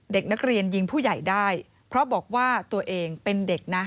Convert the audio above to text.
เด็กนักเรียนยิงผู้ใหญ่ได้เพราะบอกว่าตัวเองเป็นเด็กนะ